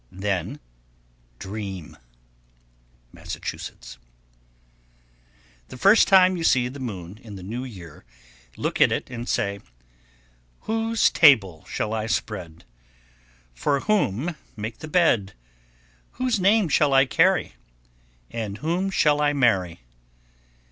Then dream. Massachusetts. 1085. The first time you see the moon in the New Year, look at it and say, Whose table shall I spread? For whom make the bed? Whose name shall I carry? And whom shall I marry?